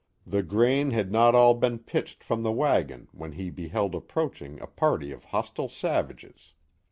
The grain had not »1] been pitched from the wagon when he beheld ap proaching a party of hostile savages.